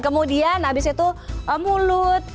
kemudian habis itu mulut